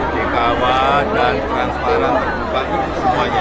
kekawah dan transparan terbuka untuk semuanya